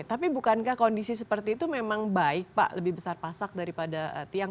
tapi bukankah kondisi seperti itu memang baik pak lebih besar pasak daripada tiang